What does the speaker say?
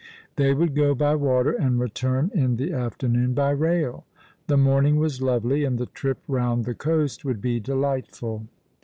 They would go by water and return in the afternoon by rail. The morning was lovely, and the trip round the coast would be delightful.